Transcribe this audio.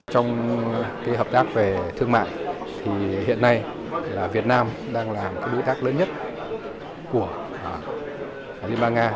trong hợp tác về thương mại thì hiện nay việt nam đang là đối tác lớn nhất của liên bang nga